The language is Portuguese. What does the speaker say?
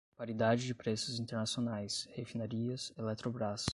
Paridade de preços internacionais, refinarias, Eletrobrás